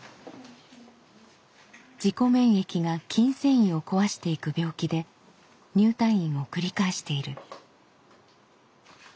自己免疫が筋繊維を壊していく病気で入退院を繰り返している。